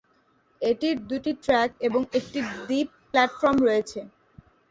এটির দুটি ট্র্যাক এবং একটি দ্বীপ প্ল্যাটফর্ম রয়েছে।